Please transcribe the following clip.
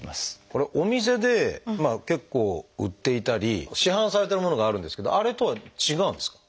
これはお店で結構売っていたり市販されてるものがあるんですけどあれとは違うんですか？